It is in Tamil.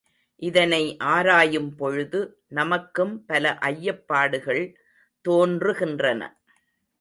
இதனை ஆராயும் பொழுது நமக்கும் பல ஐயப்பாடுகள் தோன்றுகின்றன.